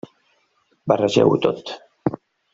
Barregeu-ho tot.